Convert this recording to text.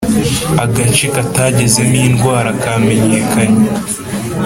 agace katagezemo indwara kamenyekanye